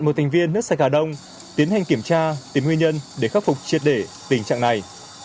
một thành viên nước sạch hà đông tiến hành kiểm tra tìm nguyên nhân để khắc phục triệt để tình trạng này